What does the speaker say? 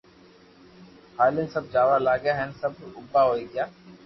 ھالين سب جاوا لاگيا ھين سب اوويا گيا